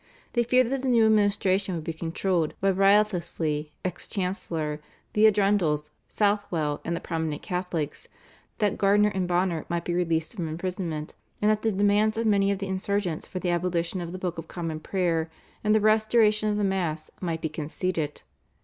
They feared that the new administration would be controlled by Wriothesley, ex Chancellor, the Arundels, Southwell and other prominent Catholics, that Gardiner and Bonner might be released from imprisonment, and that the demands of many of the insurgents for the abolition of the Book of Common Prayer and the restoration of the Mass might be conceded.